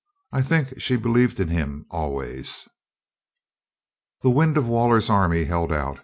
I think she believed in him always. The wind of Waller's army held out.